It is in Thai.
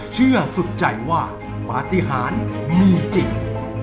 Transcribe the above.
สุดใจว่าปฏิหารมีจริง